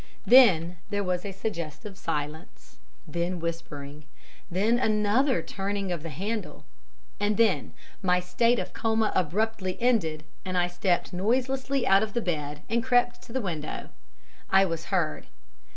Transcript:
Then there was a suggestive silence, then whispering, then another turning of the handle, and then my state of coma abruptly ended, and I stepped noiselessly out of bed and crept to the window. I was heard.